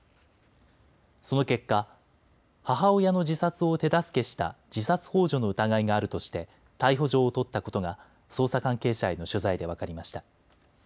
その結果、母親の自殺を手助けした自殺ほう助の疑いがあるとして逮捕状を取ったことが捜査関係者への取材で分かりました。